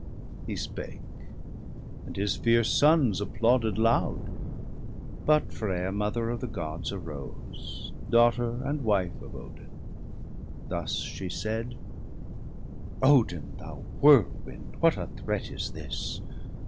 He spake, and his fierce sons applauded loud. But Frea, mother of the Gods, arose. Daughter and wife of Odin ; thus she said :—' Odin, thou whirlwind, what a threat is this